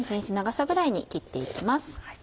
２ｃｍ長さぐらいに切って行きます。